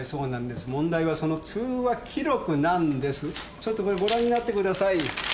ちょっとこれご覧になってください。